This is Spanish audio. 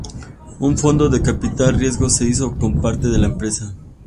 Un fondo de capital riesgo se hizo con parte de la empresa.